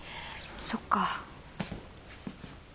そっか。